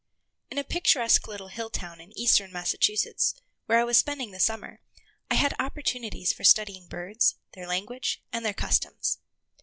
In a picturesque little hill town in eastern Massachusetts, where I was spending the summer, I had opportunities for studying birds, their language, and their customs.